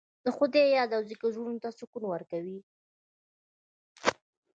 د خدای یاد او ذکر زړونو ته سکون ورکوي.